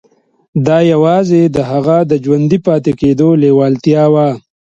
دا یوازې د هغه د ژوندي پاتې کېدو لېوالتیا وه